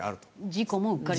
事故もうっかり。